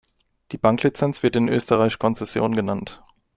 Die Banklizenz wird in Österreich Konzession genannt.